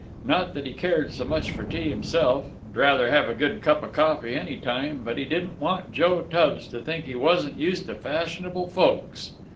Not that he cared so much for tea itself; 'drather have a good cup of coffee, any time; but he didn't want Joe Tubbs to think he wasn't used to fashionable folks."